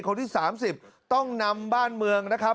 คนที่๓๐ต้องนำบ้านเมือง